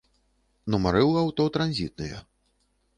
Нумары ў аўто транзітныя.